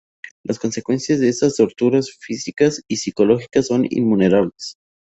Las consecuencias de estas torturas físicas y psicológicas son innumerables.